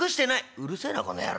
「うるせえなこの野郎。